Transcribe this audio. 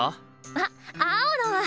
あっ青野！